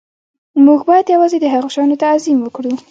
موږ باید یوازې د هغو شیانو تعظیم وکړو